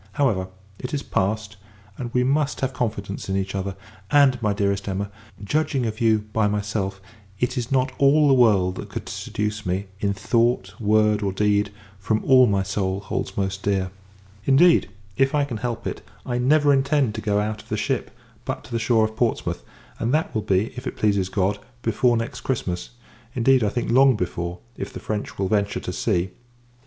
However, it is passed; and, we must have confidence in each other: and, my dearest Emma, judging of you by myself, it is not all the world that could seduce me, in thought, word, or deed, from all my soul holds most dear. Indeed, if I can help it, I never intend to go out of the ship, but to the shore of Portsmouth; and that will be, if it pleases God, before next Christmas. Indeed, I think, long before, if the French will venture to sea.